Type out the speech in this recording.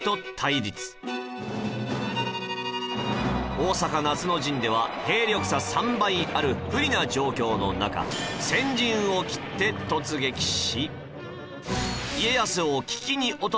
大坂夏の陣では兵力差３倍ある不利な状況の中先陣をきって突撃し